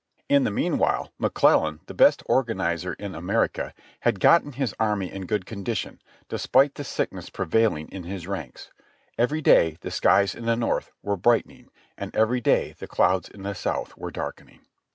In the meanwhile, McClellan, the best organizer in America, had gotten his army in good condition, despite the sickness pre vailing in his ranks. Every day the skies in the North were bright ening, and every day the clouds in the South were darkening.